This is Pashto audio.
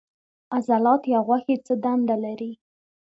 عضلات یا غوښې څه دنده لري